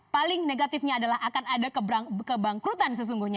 paling negatifnya adalah akan ada kebangkrutan sesungguhnya